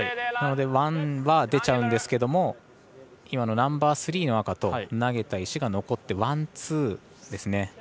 なのでワンは出ちゃうんですけどナンバースリーの赤と投げた石が残ってワン、ツーですね。